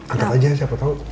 angkat aja siapa tau